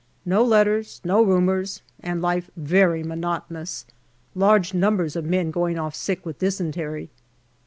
No letters, no rumours, and life very monotonous. Large numbers of men going off sick with dysentery.